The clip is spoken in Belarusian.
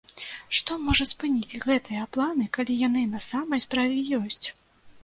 Што можа спыніць гэтыя планы, калі яны на самай справе ёсць?